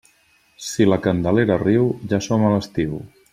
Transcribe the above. Si la Candelera riu, ja som a l'estiu.